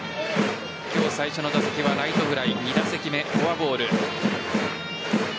今日最初の打席はライトフライ２打席目フォアボール。